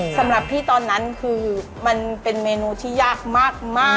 สำหรับพี่ตอนนั้นคือมันเป็นเมนูที่ยากมาก